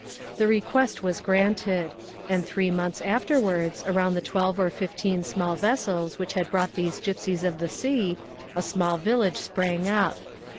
The request was granted; and three months afterwards, around the twelve or fifteen small vessels which had brought these gypsies of the sea, a small village sprang up.